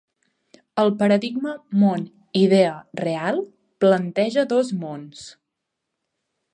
El paradigma món-idea-real planteja dos mons.